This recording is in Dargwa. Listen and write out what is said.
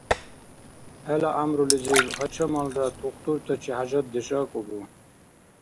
— Хӏела гӏямрулизиб гьачамалра тухтуртачи хӏяжатдеш акӏубу?